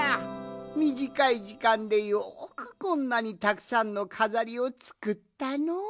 みじかいじかんでよくこんなにたくさんのかざりをつくったのう。